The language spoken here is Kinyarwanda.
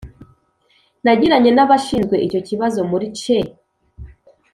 nagiranye n'abashinzwe icyo kibazo muri cee,